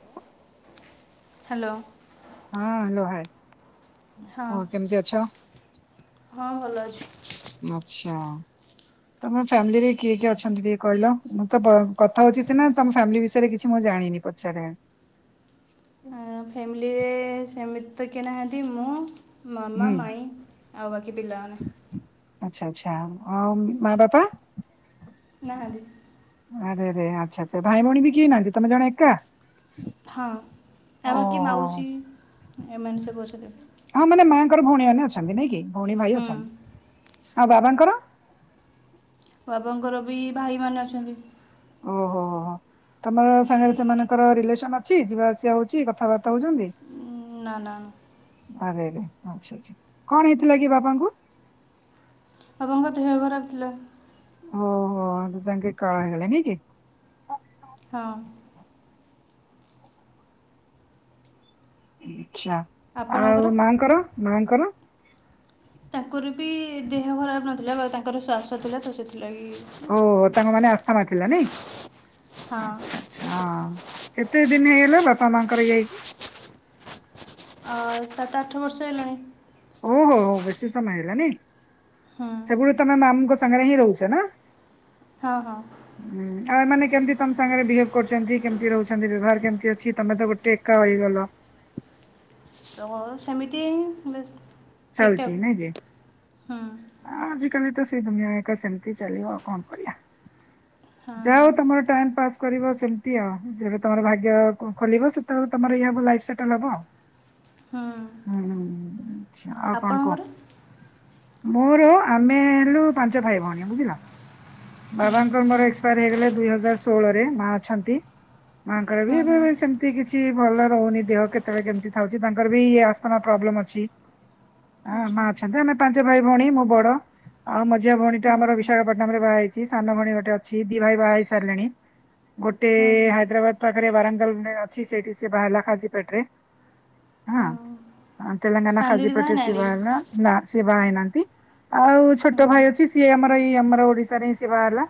Hello hello. ହଁ hello ଯାଏ। ହଁ ହଁ ଭଲ ଅଛି। ଆଛା। ତମ ଫ୍ୟାମିଲିରେ କିଏ କିଏ ଅଛନ୍ତି ଟିକେ କହିଲ ମୁଁ ତ କଥା ହଉଛି ସିନା ତମ ଫ୍ୟାମିଲି ବିଷୟରେ କିଛି ମୁଁ ଜାଣିନି ପଚାରେ? ଆ ଫ୍ୟାମିଲିରେ ସେମିତିି ତ କେନାହାନ୍ତି ମୁଁ ହୁଁ ମାମା ମାଇ ଆଉ ବାକି ପିଲାମାନେ। ଆଛା ଆଚ୍ଛା ଆଉ ମା ବାପା? ନାହାନ୍ତି। ଆରେରେ ଆଚ୍ଛା ଆଚ୍ଛା ଭାଇ ଭଉଣୀ ବି କେହି ନାହାନ୍ତି ତମେ ଜଣେ ଏକା। ହଁ ଆଉ ବାକି ଓହୋ ମାଉସି। ଏମାନେ ସବୁ ଅଛନ୍ତି। ହଁ ମାନେ ମାଆଙ୍କର ଭଉଣୀମାନେ ଅଛନ୍ତି ନାଇଁ କି। ଭଉଣୀ ଭାଇ ହୁଁ ଅଛନ୍ତି। ଆଉ ବାବାଙ୍କର? ବାବାଙ୍କର ବି ଭାଇମାନେ ଅଛନ୍ତି। ଓହୋ ତମର ସାଙ୍ଗରେ ସେମାନଙ୍କର ରିଲେସନ ଅଛି ଯିବା ଆସିବା ହଉଛି କଥାବାର୍ତ୍ତା ହଉଛନ୍ତି। ନା ନା। ଆଛା ଆଛା କଣ ହେଇଥିଲା କି ବାବାଙ୍କୁ? ବାବାଙ୍କ ଦେହ ଖରାପ ଥିଲା। ଓହୋ-। [unintelligible] ହଁ। ହୁଁ। ଆଛା ଆପଣଙ୍କର ଆଉ ମାଙ୍କର ମାଙ୍କର। ତାଙ୍କର ବି ଦେହ ଖରାପ ନଥିଲା ବା ତାଙ୍କର ଶ୍ୱାସ ଥିଲା ତ ସେଥିପାଇଁ। ଓହୋ ତାଙ୍କ ମାନେ ଆସ ଥିଲା ନାଇଁ। ଆଚ୍ଛା ହଁ ଆଚ୍ଛା। କେତେ ଦିନ ହେଇଗଲା ବାପା ମାଙ୍କର ଇଏହେଇକି? ଅ। ସାତ ଆଠ ବର୍ଷ ହେଲାଣି। ଓହୋ ହୋ ବେଶୀ ସମୟ ହେଲା ନାଇଁ। ହଁ ସବୁବେଳେ ତମେ ମାମୁଙ୍କ ସ ସାଙ୍ଗରେ ହିଁ ରହୁଛ ନା। ହଁ ହଁ। ଉଁ ଆଉ ଏମାନେ କେମିତି ତମ ସାଙ୍ଗରେ ବିହେଭ କରୁଛନ୍ତି କେମିତି ରହୁଛନ୍ତି ବ୍ୟବହାର କେମିତି ଅଛି ତମେ ତ ଗୋଟେ ଏକା ହେଇଗଲ। ହ ସେମିତି ବେଶି। ଚାଲଛି ନାଇଁ କି। ଆ ଆଜି କଲି ତ ସେଇ ଦୁନିଆ ଏକ ଏକା ସେମତି ଚାଲିବ ଆଉ କଣ କରିବା? ହଁ ଯାଅ ତମର ଟାଇମ ପାସ କରିବ ସେମତି ଆଉ ଯେବେ ତମର ଭାଗ୍ୟ ଖୋ ଖୋଲିବ ସେତୋବେଳୁ ତମର ଇବ ଲାଇପ୍ ସେଟଲ ହବ। ହୁଁ ହୁଁ ହୁଁ ହୁଁ। ଆଚ୍ଛା ଆଉ କଣ କୁହ। ଆପଣଙ୍କର ମୋର ଆମେ ହେଲୁ ପାଞ୍ଚ ଭାଇ ଭଉଣୀ ବୁଝିଲା। ହୁଁ ବାବାଙ୍କର ହୁଁ ମୋର ଏକ୍ସ ପାୟାର ହେଇଗଲେ ଦୁଇ ହଜାର ଷୋହଳରେ। ମା ଅଛନ୍ତି। ମାଙ୍କର ବି ହୁଁ ହୁଁ ଏବେ ସେମତି କିଛି ଭଲ ରହୁନି ଦେହ କେତେବେଳେ କେମତି ଖାଉଚି। ତାଙ୍କର ବି ଆସ୍ତମା ପ୍ରୋବ୍ଲେମ ଅଛି। ହଁ ମା ଆଚ୍ଛା ଅଛନ୍ତି ଆମେ ପା ଯେ ଭାଇ ଭଉଣୀ ମୁଁ ବଡ଼। ଆଉ ମଝିଆ ଭଉଣୀଟା ହୁଁ ଆମର ହୁଁ ବିଶାଖାପାଟନମରେ ବାହା ହେଇଚି। ସାନ ଭଉଣୀ ଗୋଟେ ଅ ଛି ଦି ଭାଇ ବାହା ହେଇ ସାରିଲେଣି। ଗୋଟେ ହୁଁ ହୁଁ ହାଇଦ୍ରାବାଦ ପାଖରେ ବାରଙ୍ଗାଲରେ ଅଛି ସେଇଠି ସେ ବାହାହେଲା ଖାଜିପେଟରେ ହଁ। ହୁଁ ଆ ତେଲେଙ୍ଗାନା ସାନ ଦିଦି ଖାଜିପେଟରେ ସିଏ ହେଇନାହାନ୍ତି ବାହା ହେଲା। ଲା ସିଏ ବାହା ହେଇ ନାହାନ୍ତି। ଆଉ ହୁଁ ଛୋଟ ହୁଁ ଭାଇ ଅଛି ସିଏ ଆମର ଏଇ ଆମର ଓଡ଼ିଶାରେ ହିଁ ସିଏ ବାହା ହେଲା।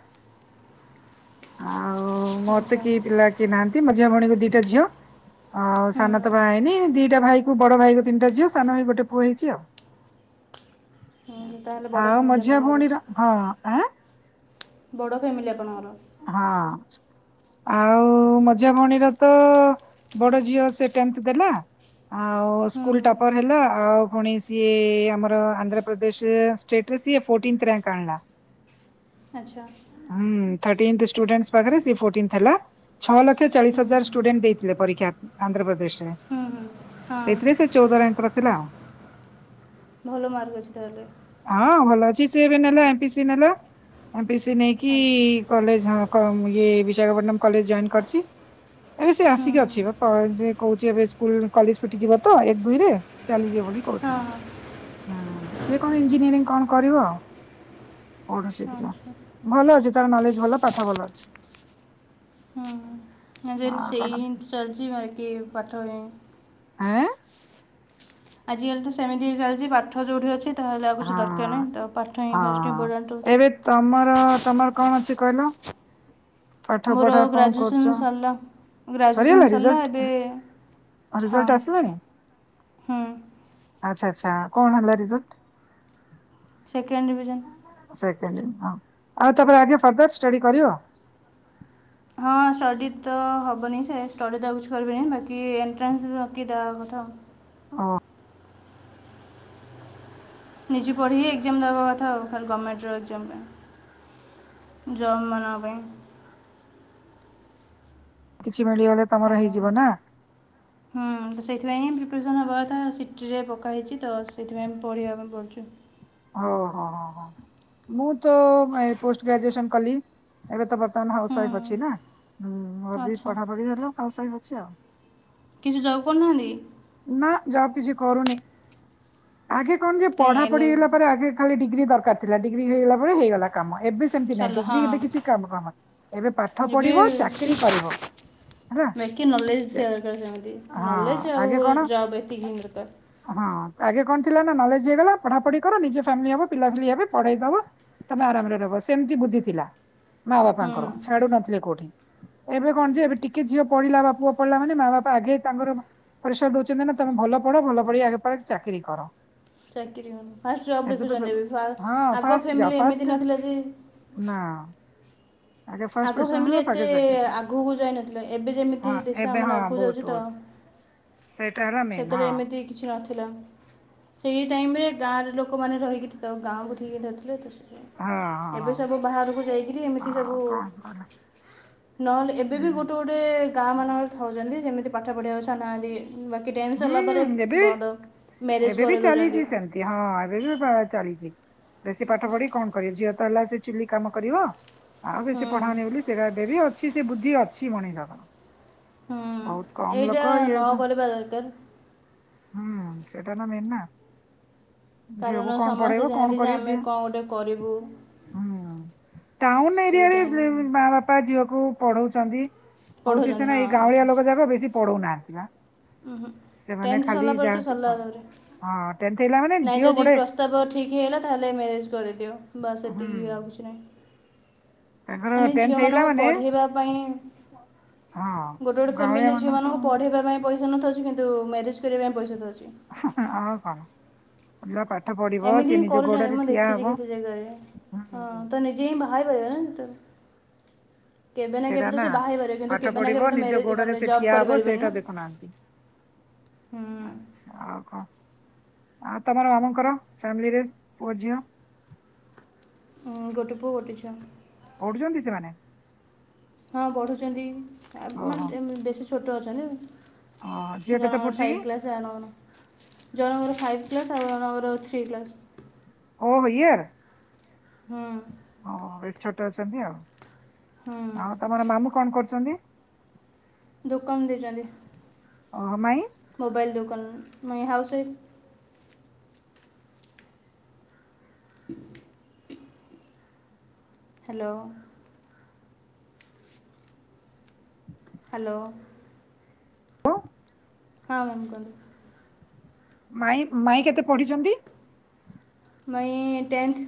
ଆଉ ମୋର ତ ଆଚ୍ଛା କେହି ପିଲା କିଏ ନାହାନ୍ତି ମଝିଆଁ ଭୋଉଣୀକୁ ଦିଟା ଝିଅ ଆଉ ହୁଁ ସାନ ତ ବାହା ହେଇନି ଦିଟା ଭାଇକୁ ବଡ଼ ଭାଇର ତିନିଟା ଝିଅ ସାନ ଭାଇ ଗୋଟେ ପୁଅ ହେଇଚି ଆଉ। ହୁଁ ତାହେଲେ ବଡ଼ ଆଉ ଫ୍ୟାମିଲି ମଝିଆ ଆପଣଙ୍କର ଭଉଣୀର ହଁ। ଆଁ? ବଡ଼ ଫ୍ୟାମିଲି ଆପଣଙ୍କର। ହଁ ଆଉ ମଝିଆଁ ଭୋଉଣୀର ତ ବଡ଼ ଝିଅ ସ ଟେନ୍ଥ ଦେଲା ଆଉ ହୁଁ ସ୍କୁଲ ହୁଁ ଟପର ହେଲା ଆଉ ପୁଣି ସିଏ ଆମର ଆନ୍ଧ୍ରପ୍ରଦେଶ ଷ୍ଟେଟ୍ ରେ ସିଏ ଫୋଟିନ୍ଥ ରିଆଙ୍କ୍ ଆଣିଲା। ଆଚ୍ଛା। ହୁଁ ଦାଟିନ୍ଥ ଷ୍ଟୁଡେଣ୍ଟସ୍ ପାଖରେ ସିଏ ଫୋଟିନ୍ ଥିଲା ଛଅ ଲକ୍ଷ ହୁଁ ଚାଳିଶ ହଜାର ଷ୍ଟୁଡେଣ୍ଟ ଦେଇଥିଲେ ପରୀକ୍ଷା ଆନ୍ଧ୍ରପ୍ରଦେଶରେ ହୁଁ ହୁଁ ହଁ ସେଇଥିରେ ସେ ଚୋଉଦ ରିଆଙ୍କ୍ ର ଥିଲା ଆଉ। ଭଲ ମାର୍କ ଅଛି ତାହେଲେ। କି ସିଏ ଏବେ ନେଲା ଏମ୍ ପି ସି ନେଲା। ଏମ୍ ପି ସି ନେ କି ଆଚ୍ଛା କଲେଜ ହଁ କ ମୁଇ ଇ ବିଶାଖାପଟନମ୍ କଲେଜ ଜଏନ୍ କରିଛି। ଏବେ ସେ ହୁଁ ଆସିକି ଅଛି ବ ହୁଁ ଅ ଯେ କୋହୁଚି ଏବେ ସ୍କୁଲ କଲେଜ ଫିଟିଯିବ ତ ଏକ ଦୁଇରେ ଚାଲିଯିବ ବୋଲି ହଁ କହୁଥିଲା। ହଁ ହଁ ସେ କଣ ଇଞ୍ଜିନିୟରିଂ କଣ କରିବ। ଆଚ୍ଛା ଭଲ ଅଛି ତ ନଲେଜ ଭଲ ପାଠ ଭଲ ଅଛି। ନା ଯଦି ଆଉ କଣ ସେଇ ହିଁ ଚଲିଚି ଭାଇ ଇଏ ପାଠରେ ଉଁ ଆଁ? ଆଜିକାଲି ତ ସେମତି ହେଇ ଚାଲିଚି ପାଠ ଯୋଉଠି ଅଛି। ତାହେଲେ ଆଉ କିଛି ଦରକାର ହଁ। ନାହିଁ। ତାକୁ ପାଠ ହଁ ଫାଷ୍ଟେ ଇମ୍ପୋଟାନ୍ସ ଏବେ ତମର ଦୋଉଛି। ତମର କଣ ଅଛି କହିଲ। ପାଠ ମୋର ପଢା କଣ କରୁଛ? ଗ୍ରାଜୁଏସନ୍ ସରିଲା। ଗ୍ରାଜୁଏସନ୍ ସରିଗଲା ସରିଲା ରିଜଲ୍ଟ ଏବେ ହଁ ରିଜଲ୍ଟ ହୁଁ। ଆଛା ଆଛା କଣ ହେଲା ରେଜଲ୍ଟ? Second division. ହଁ ଆଉ ତାପରେ ଆଜ୍ଞା ଫର୍ଦର ଷ୍ଟଡି କରିବ? ହଁ ଷ୍ଟଡ଼ି ତ ହବନି ସେ ଷ୍ଟଡି ତ ଆଉ କିଛି କରିବିନି ବାକି ଏଣ୍ଟ୍ରାନ୍ସ ବାକି ଦବା କଥା। ଅଁ। ନିଜେ ପଢ଼ିକି ଏକ୍ଜାମ୍ ଦବା କଥା ଆଉ ଖାଲି ଗମେଣ୍ଟର ଏକ୍ଜାମ୍ ପାଇଁ ଜବ୍ ମାନଙ୍କ ପାଇଁ। କିଛି ମିଳିଗଲେ ତମର ହେଇଯିବ ନା? ସେଥିପାଇଁ ହିଁ ପ୍ରିପାରେସନ୍ ହବା କଥା ସିଟିରେ ପକା ହେଇଛି ତ ସେଥିପାଇଁ ପଢ଼ିଆ ପାଇଁ ପଡ଼ୁଛି। ହ ହୋ ହ ହ ମୁଁ ତ ପୋଷ୍ଟ ଗ୍ରାଜୁଏସନ୍ କଲି ଏବେ ତ ବର୍ତ୍ତମାନ ହାଉସ ହୁଁ ୱାଇଫ ଅଛି ନା। ହୁଁ ଅବି ଆଚ୍ଛା ପଢାପଢି ସରିଲା ହାଉସ୍ ଆଛା। କିଛି ଯବ୍ କରୁନାହାନ୍ତି? ନା ଜବ୍ କିଛି କରୁନି। ଆଗେ କଣ ଯେ କାଇଁ ପଢ଼ା ଏଲ୍ ପଢ଼ି ଏଲ୍ ହେଲା ଖାଲି ଡିଗ୍ରୀ ଦରକାର ଥିଲା ଡିଗ୍ରୀ ହେଇଗଲା ପରେ ହେଇଗଲା। କାମ ଏବେ ସେମିତି ନାଇଁ ସରିଲା ହଁ ଡିଗ୍ରୀ ଏବେ କିଛି କାମ ଫାମ ଏବେ ପାଠ ଏବେ ପଢ଼ିବ ଚାକିରି କରିବ ହେଲା ବାକି ନଲେଜ୍ ହଁ ଥିବା ଦରକାର ସେମିତି ନଲେଜ୍ ଆଉ ଆଗେ କଣ ଜବ୍ ଏତିକି ହିଁ ଦରକାର ହଁ ଆଗେ କଣ ଥିଲା ନା ନଲେଜ୍ ହେଇଗଲା ପଢ଼ା ପଢ଼ି ନିଜ ଫ୍ୟାମିଲି ହବ ପିଲା ପିଲି ହବ ପଢ଼େଇ ଦବ ତାପରେ ଆରାମରେ ରହିବ ସେମିତି ବୁଦ୍ଧି ଥିଲା। ମା ହୁଁ ବାପାଙ୍କର ଛାଡ଼ୁ ନଥିଲେ କୋଉଠି। ଏବେ କଣ ଯେ ଏବେ ଟିକେ ଝିଅ ପଢିଲା ବା ପୁଅ ପଢ଼ିଲା ମାନେ ମା ବାପା ଆଗେ ତାଙ୍କର ପରିସର ଦଉଛନ୍ତି ନା ତମେ ଭଲ ପଢ଼ ଭଲ ପଢ଼ି ଆଗ ଚାକିରି କର। ଚାକିରି ହଉ ଫାଷ୍ଟ ଜବ୍ ଏବେ ତ ଦେଖୁଛନ୍ତି ସବୁ ଏବେ ହଁ ଆଗ ଫାଷ୍ଟ ଯାଅ ଫ୍ୟାମିଲି ଏମିତି ଫାଷ୍ଟ ନଥିଲା ଯେ ନା ଆଗେ ଫାଷ୍ଟ ଆଗ ପେସେଣ୍ଟ ଫ୍ୟାମିଲି ହୁଅ ଏତେ ତାପରେ ଚାକିରି କର। ଆଗକୁ ଯାଇନଥିଲେ ଏବେ ଯେମିତି ହଁ ଦେଶ ଏବେ ଆମେମାନେ ହଁ ଆଗକୁ ବହୁତ ଯାଉଛ ତ ବହୁତ ସେଇଟା ହେଲା ମେନ୍ ସେତବେଳେ ହଁ ଏମିତି କିଛି ନଥିଲା ସେଇ ସେ ଟାଇମ୍ ରେ ଗାଁରେ ଲୋକମାନେ ରହିକି ଗାଁକୁ ଟିକେ ଦେଉଥିଲେ ତ ହଁ ହଁ ଏବେ ହଁ। ସବୁ ବାହାରକୁ ଯାଇକିରି ଏମିତି ସବୁ ଆଉ କଣ କର ନହେଲେ ଏବେବି ଗୋଟେ ହୁଁ ଗୋଟେ ଗାଁ ମାନଙ୍କରେ ଥାଉଛନ୍ତି ଯେମିତି ପାଠ ପଢ଼ିଆ କୁ ଛାଡୁନାହାଁନ୍ତି ହୁଁ ଏବେ ମ୍ୟାରେଜ୍ ଏବେ ବି କରିଦେଉଛନ୍ତି ଚାଲିଛି ସେମତି ହଁ ଏବେ ବି ଚାଲିଛି। ବେଶୀ ପାଠ ପଢ଼ି କଣ କରବି ଝିଅ ତ ହେଲା ସେ ଚୁଲି କାମ କରିବ। ଆଉ ହୁଁ ବେଶୀ ପଢ଼ାଅନି ବୋଲି ସେଇଟା ଏବେ ବି ଅଛି। ସେ ବୁଦ୍ଧି ଅଛି ମଣିଷଙ୍କର। ବହୁତ କମ୍ ଲୋକ ଇଏ ନଁ କରିବା ଦରକାର। ସେଟା ତ ମେନ୍ ନା। ଝିଅକୁ କାରଣ କଣ ସମସ୍ତେ ପଢ଼େଇବ କଣ ଚାହାନ୍ତି ଯେ କରିବ ଆମେ ଝିଅ କ'ଣ ଗୋଟେ କରିବୁ ହୁଁ ଟାଉନ୍ ଏରିଆରେ ସେଇଟା ହିଁ ମା ବାପା ଝିଅ କୁ ପଢ଼ଉଛନ୍ତି ହଉଛି ସେ ପଢ଼ଉଛନ୍ତି ନା ହଁ ଏଇ ଗାଉଁଳିଆ ବାକି ଲୋକ ଯାକ ବେଶୀ ପଢ଼ଉନାହାନ୍ତି। [unintelligible] ସେମାନେ ଟେନ୍ଥ ଖାଲି ସରିଲା ପରେ ତ ଯାହାଅଛି ସରିଲା କଣ ତା'ପରେ ହଁ ଟେ ନାଇଁ ଯଦି ପ୍ରସ୍ତାବ ଠିକ୍ ହେଇଗଲା ତାହେଲେ ମ୍ୟାରେଜ କରିଦିଅ ବାସ୍ ହୁଁ ଏତିକି ଆଉକିଛି ନାହିଁ। ତାଙ୍କର ମାନେ ଟେନ୍ଥ ଝିଅ ହେଲା ମାନଙ୍କୁ ମାନେ ପଢ଼େଇବା ପାଇଁ ହଁ ଗୋଟେ ଗୋଟେ ଗାଉଁଳିଆ ଫାମିଲି ଝିଅ ମାନଙ୍କ ମାନଙ୍କୁ ପଢ଼େଇବା ପାଇଁ ପଇସା [inaudible] ତ ଅକଛି କିନ୍ତୁ ମ୍ୟାରେଜ କରିବା ପାଇଁ ପଇସା ତ ଅଛି। ଆଉ କଣ ଭ ଏମିତି ହିଁ କରୁଛନ୍ତି ମୁଁ ଦେଖିଛି କେତେ ଜାଗାରେ ହଁ ହୁଁ ତ ନିଜେ ହିଁ ବାହା ହେଇ ପାରିବ ନା କେବେ ସେଇଟା କେବେ ତ ନା ସେ ବାହା ହେଇପାରିବ କିନ୍ତୁ ପାଠ କେବେ ନା ପଢିବ କେବେ ତ ନିଜ ମ୍ୟାରେଜ୍ ଗୋଡରେ ମାନେ ସେ ଜବ୍ ଠିଆ ହବ କରିପାରିବନି ସେଇଟା ନା ଦେଖୁନାହାନ୍ତି ଆଛା ଆଉ କଣ? ଆଉ ତମର ମାମୁଙ୍କର ଫ୍ୟାମିଲିରେ ପୁଅ ଝିଅ ହଁ ଗୋଟେ ପୁଅ ଗୋଟେ ଛିଅ ପଢୁଛନ୍ତି ସେମାନେ ହଁ ପଢୁଛନ୍ତି ଆ ମା ଓହୋ [unintelligible] ବେଶୀ‌ ଛୋଟ ଅ, ଅଛନ୍ତି। ଝିଅ କେତେ ଜଣଙ୍କ ପଢୁଛି କି ଫାଇଭ କ୍ଲାସ ଜଣଙ୍କର ଫାଇଭ କ୍ଲାସ ଜଣଙ୍କର ଥ୍ରୀ କ୍ଲାସ୍ ଓ ହୋ ୟିୟର ହୁଁ ଅଛନ୍ତି ଆଉ। ଆଉ ହୁଁ ତମର ମାମୁଁ କଣ କରୁଛନ୍ତି। ଦୋକାନ ଦେଇ ଛନ୍ତି। ଓହୋ ମାଇଁ ମୋବାଇଲ ଦୋକାନ ମାଇଁ ହାଉସ ୱାଇଫ। ହ [inaudible] ହ୍ୟାଲୋ ହ୍ୟାଲୋ ହ୍ୟାଲୋ ହଁ ମ୍ୟାାମ କୁହନ୍ତୁ। ମାଇଁ ମାଇଁ କେତେ ପଢିଛନ୍ତି। ମାଇଁ ଟେନ୍ଥ।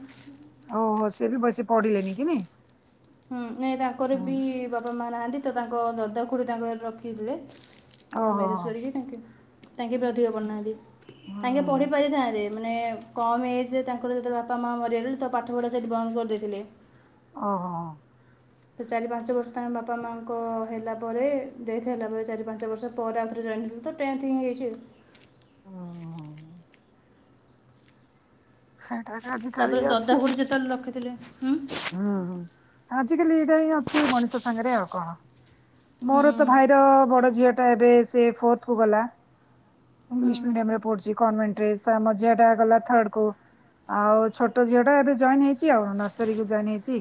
ଓହୋ ସେ ବି ବେଶି ପଢିଲେନି କି ନି ହୁଁଁ ଏଇୟା କରବିି ବାପା ମା ନାହାନ୍ତି। ତ ତାଙ୍କ ଦଦାଖୁଡ଼ି ତାଙ୍କ ଘରେ ରଖିଥିଲେ। ଓହୋ ମ୍ୟାରେଜ କରିକି ଟାଙ୍କେ ତାଙ୍କେ ବି ଅଧିକ ପଢିନାହାନ୍ତି ତାଙ୍କେ ପଢି ହୁଁ ପାରିଥାନ୍ତେ ମାନେ କମ୍ ଏଜ୍ ତାଙ୍କର ଯେତେବେଳେ ବାପା ମା ମରିଗେ ତ ପାଠପଢ଼ା ସେଠି ବନ୍ଦ କରିଦେଇଥିଲେ। ଓ ହୋ ତ ଚାରି ପାଞ୍ଚ ବର୍ଷ ତାଙ୍କ ବାପା ମାଆଙ୍କ ହେଲା ପରେ ଡେଥ ହେଲା ପରେ ଚାରି ପାଞ୍ଚ ବର୍ଷ ପରେ ଆଉଥରେ ଜଏନ୍ ଥିଲୁ ତ ଟେନ୍ଥ ହିଁ ହେଇଛିଉ। ହଁ ହଁ ହଁ ତାପରେ ଦଦା ଖୁଡି ଯେତେବେଳେ ରଖିଥିଲେ। ହୁଁ ହୁଁ ହୁଁ ଆଜିକାଲି ଏଇଟା ହିଁ ଅଛି ମଣିଷ ସଂଙ୍ଗରେ ଆ କଣ? ହୁଁ ମୋର ତ ଭାଇର ବଡ ଝିଅ ଏ ସେ ଫୋର୍ଥ କୁ ଗଲା। ଇଂଲିଶ ମିଡିୟାମ ରେ ହୁଁ ପଢ଼ଛି କନଭେଣ୍ଟ ଆ ଝିଅ ଟା ଗଲା ଥାଡ୍ କୁ ଆଉ ଛୋଟ ଝିଅ ଟା ଏବେ ଜଏନ୍ ହେଇଛି ଆଉ ରେ ଜଏନ୍ ହେଇଛି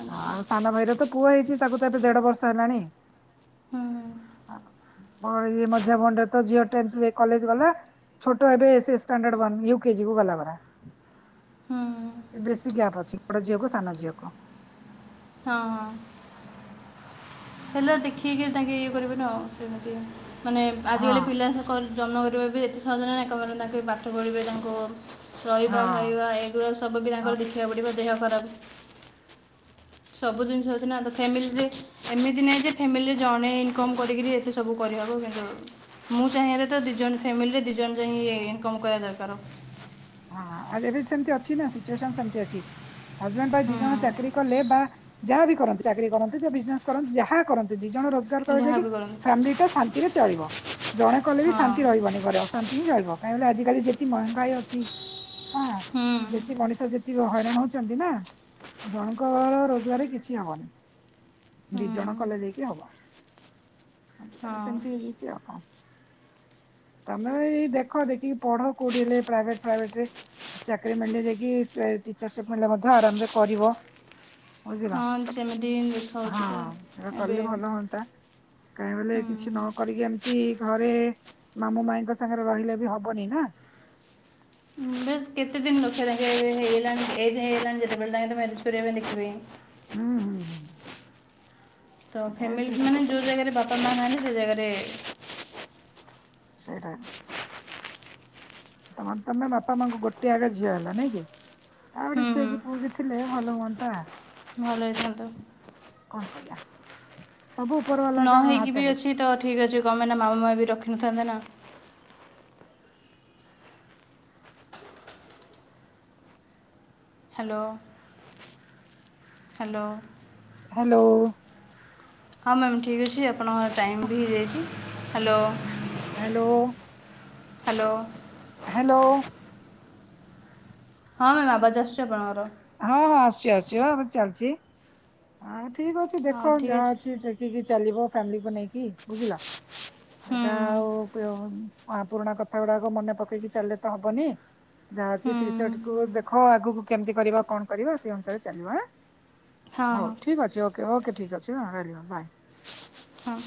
ଆଚ୍ଛା ସାନ ଭାଇ ର ତ ପୁଅ ହେଇଛି ତା ଦେଢ ବର୍ଷ ହେଲାଣି ହୁଁ ଛ ମଝିଆ ଭଉଣୀ ଟା ଝିଅ ଟେ କଲେଜ୍ ଗଲା ଛୋଟ ଏବେ ସେ ଷ୍ଟାଣ୍ଡାର୍ଡ ୱାନ୍ ୟୁ କେଜି କୁ ଗଲା ପରା ହୁଁ ସି ବ ଗ୍ୟାପ୍ ଅଛି ବଡ ଝଅକୁ ସାନ ଝିଅକୁ ହଁ ହଁ ହେଲେ ଦେଖିକି ତାଙ୍କେ ଇଏ କରିବନ ଆଉ ସେମିତି ମାନେ ହଁ ଆଜିକାଲି ପିଲା ସକା ଜନ୍ମା କରିବା ବି ଏତେ ସହଜ ନଁ ଏକମ ତାଙ୍କ ପାଠ ପଢ଼ିବେ ତାଙ୍କୁ ହଁ ରହିବା ଖାଇବା ଏଗୁ ସବୁ ପିଲାଙ୍କର ଦେଖିବାକୁ ପଡ଼ିବ ଦେହ ଖରାପ ସବୁ ଜିନିଷ ଅଛି ନା ତ ଫ୍ୟାମିଲିରେ ଏମିତି ନାହିଁ ଯେ ଫ୍ୟାମିଲିରେ ଜଣେ ଇନକମ କରିକିରି ଏତେ ସବୁ କରିହବ। କିନ୍ତୁ ମୁଁ ଚାହିଁରେ ତ ଦିଇ ଜଣ ଫ୍ୟାମିଲିରେ ଦିଇ ଜଣ ଯହିଁ ଇନକମ୍ କରିବା ଦରକାର। ହଁ ଆ ଏବେ ସେମିତି ଅଛି ନା ସିଚୁଏସନ ସେମିତି ଅଛି। ହଜବେଣ୍ଡ ୱାଇଫ ଦି ଜଣ ଚାକିରି କଲେ ବା ଯାହା ବି କରନ୍ତି ଚାକିର କରନ୍ତୁ ବିଜନେସ କରନ୍ତି ଯାହା କରନ୍ତିୁ ଦି ଜଣ ରୋଜଗାର ହୁଁ କଲେ ଯାହା ଯାଇକି ବି କରନ୍ତୁ ଫ୍ୟାମିଲି ଟା ଶାନ୍ତିରେ ଚଳିବ। ଜଣେ କଲେ ବି ହଁ ଶାନ୍ତି ରହିବନି ଘରେ ଅଶାନ୍ତି ହିଁ ରହିବ। କାଇହିଁ ଆଜିିକାଲି ଯେତିି ମହଙ୍ଗାଇ ଅଛି। ହଁ ହୁଁ ଯେତିି ମଣିଷ ଯେତିକି ହଇରାଣ ହଉଛନ୍ତି ନା ଜଣଙ୍କ ରୋଜଗାରରେ କିଛି ହବନି। ଦି ହୁଁ ଜଣ କଲେ ଯକି ହବ। ହଁ ସମିତି ହେଛି ଆଉ। ତମେ ଏଇ ଦେଖ ଦେଖିକି ପଢ କୋଉଠି ହେଲେ ପ୍ରାଇଭେଟ ଭ ଚାକିରୀ ମିଳିଲେ ଯାଇକି ଟିଚରସିପ ମଧ୍ୟ ଆରାମରେ କରିବ। ବୁଝିଲ ହଁ ସେମିତି ହଁ ଦେଖାଉଛି ତ ସେଟା କଲେ ଏବେ ଭଲ ହୁଅନ୍ତା କାହିଁ ବଲେ କିଛି ନ ହୁଁ କରିକି ଏମିତି ଘରେ ମାମୁଁ ମାଇଙ୍କ ସାଙ୍ଗରେ ରହିଲେ ବି ହବନି ନା ହଁ ବେଶ କେତେ ଦିନ ଲଖେ ରଖବେ ଗ୍ରୀନଲାଣ୍ଡ ଏଯେ ହେଇଗଲାଣି ଯଦି ତାଙ୍କର ମ୍ୟାରେଜ୍ କରିବାପାଇଁ ଦେଖିବେ। ହୁଁ ହୁଁ ହୁଁ ତ ଏ ଫ୍ୟାମିଲି ସେଇଟା ତ ମାନେ ଯୋଉ ସବୁ ଜାଗାରେ ବାପା ମା ନାହାଁନ୍ତି ସେ ଜାଗାରେ ଏବେ ସେଇଟା ତମର ତମେ ବାପା ମାଆଙ୍କୁ ଗୋଟେ ଆଡ଼ ଝିଅ ହେଲା ନାଇଁ କି ଆଉ ଗୋଟେ ହୁଁ ଝିଅ ହୁଁ କି ପୁଅ କି ଥିଲେ ଭଲ ହୁଅନ୍ତା ଭଲ ହେଇଥାନ୍ତା କଣ କରିବା? ସବୁ ଉପର ବାଲା ନ କା ହେଇକି ବି ହାତରେ ଅଛି ତ ଠିକ ଅଛି କଣ ନା ମାମା ମାଇଁ ବି ରଖି ଥାନ୍ତେ ନା ହ୍ୟାଲୋ ହ୍ୟାଲୋ ହ୍ୟାଲୋ ହଁ ମ୍ୟାମ୍ ଠିକ୍ ଅଛି ଆପଣଙ୍କର ଟାଇମ୍ ବି ହେଇଯାଇଛି। ହ୍ୟାଲୋ ହଁ ହ୍ୟାଲୋ ହାଲୋ ହ୍ୟାଲୋ ହଁ ମ୍ୟାାମ୍ ଆବାଜ ଆସୁଚି ଆପଣଙ୍କର। ହଁ ହଁ ଆସୁଚି ଆସୁଚି ହଁ ଆମର ଚାଲଚି। ଆଁଟ୍ ଠିକ୍ ଅଛି ହଁ ଦେଖ ଠିକ୍ ଯାହା ଅଛି ଦେଖିକି ଚାଲିବ ଫ୍ୟାମିଲିକୁ ନେଇକି ବୁଝିଲ। ହୁଁ ହେଟା ଆଉ ପିଅ ହଁ ପୁରୁଣା କଥା ଗୁଡ଼ାକ ମନେ ପକେଇକି ଚାଲିଲେ ତ ହବନି ଯାହା ଅଛି ହୁଁ ଫିଉଚଡ଼କୁୁ ଦେଖ ଆଗୁକୁ କେମତି କରିବା କଣ କରିବା ସେଇ ଅନୁସାରେ ଚାଲିବ ଆଁ। ହଁ ହଉ ଠିକ୍ ଅଛି ଓ କେ ଓକେ ଠିକ୍ ଅଛି ହଁ ରହିଲି ହଁ ବାଏ। ହଁ।